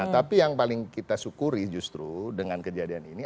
tapi yang paling kita syukuri justru dengan kejadian ini